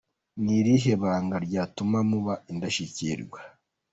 Ni irihe banga ryatumye muba indashyikirwa?.